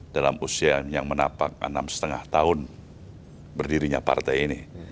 dalam usia yang menapak enam lima tahun berdirinya partai ini